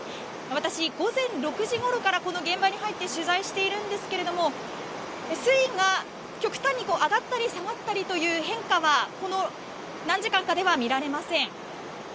私、午前６時ごろからこの現場に入って取材しているんですが水位が極端に上がったり下がったりという変化はこの何時間かでは見られません。